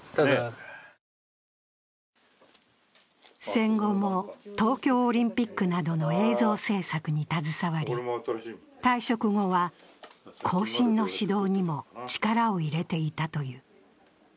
戦後も東京オリンピックなどの映像制作に携わり、退職後は後進の指導にも力を入れていたという。